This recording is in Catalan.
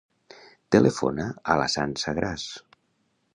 Telefona a la Sança Gras.